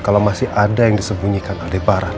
kalau masih ada yang disembunyikan adebaran